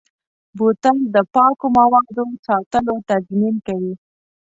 بوتل د پاکو موادو ساتلو تضمین کوي.